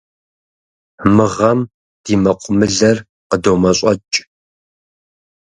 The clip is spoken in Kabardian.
Мы гъэм ди мэкъумылэр къыдомэщӏэкӏ.